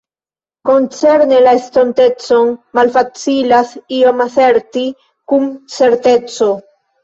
Koncerne la estontecon, malfacilas ion aserti kun certeco.